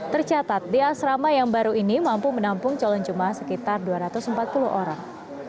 tercatat di asrama yang baru ini mampu menampung calon jemaah sekitar dua ratus empat puluh orang